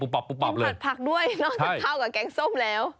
กินผัดผักด้วยเนอะทั้งข้าวกับแกงส้มแล้ว